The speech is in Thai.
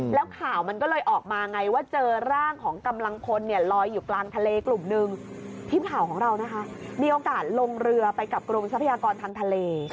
แล้วข่าวมันก็เลยออกมาไงว่าเจอร่างของกำลังพลเนี่ยลอยอยู่กลางทะเลกลุ่มหนึ่งทีมข่าวของเรานะคะมีโอกาสลงเรือไปกับกรมทรัพยากรทางทะเล